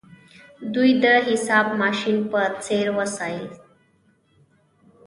دوی د حساب ماشین په څیر وسایل جوړوي.